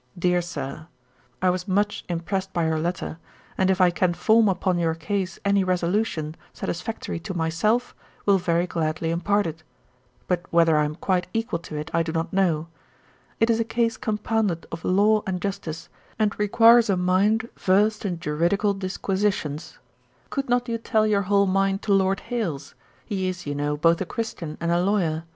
'Dear Sir, 'I was much impressed by your letter, and if I can form upon your case any resolution satisfactory to myself, will very gladly impart it: but whether I am quite equal to it, I do not know. It is a case compounded of law and justice, and requires a mind versed in juridical disquisitions. Could not you tell your whole mind to Lord Hailes? He is, you know, both a Christian and a Lawyer.